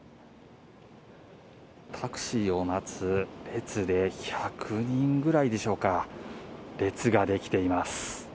タクシーを待つ列で、１００人ぐらいでしょうか、列が出来ています。